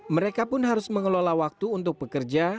mereka pun harus mengelola waktu untuk bekerja